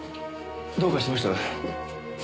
どうかしました？